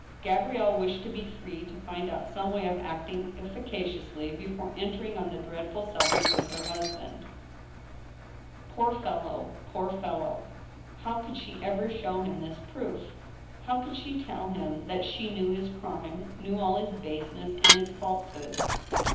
Gabrielle wished to be free to find out some way of acting effica ciously before entering on the dreadful subject with her husband. ANOTHER VERDICT, . 223 Poor fellow ! poor fellow ! How could she ever show him this proof ? How could she tell him that she knew his crime — knew all his baseness and his falsehoods